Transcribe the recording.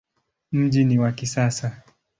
Mji ni wa kisasa.